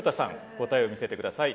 答えを見せてください。